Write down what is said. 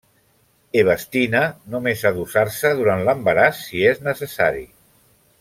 Ebastina només ha d'usar-se durant l'embaràs si és necessari.